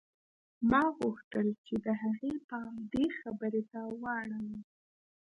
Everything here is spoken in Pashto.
ما غوښتل چې د هغې پام دې خبرې ته واوړي